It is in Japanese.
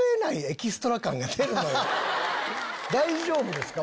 大丈夫ですか？